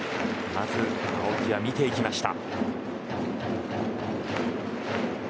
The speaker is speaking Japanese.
まず青木は見ていきました。